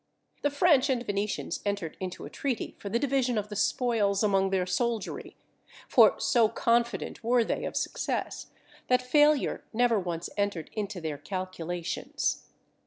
The French and Venetians entered into a treaty for the division of the spoils among their soldiery; for so confident were they of success, that failure never once entered into their calculations.